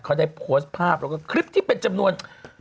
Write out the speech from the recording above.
เขาได้โพสต์ภาพแล้วก็คลิปที่เป็นจำนวน